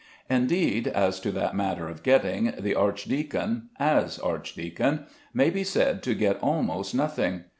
Indeed, as to that matter of getting, the archdeacon, as archdeacon, may be said to get almost nothing.